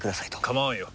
構わんよ。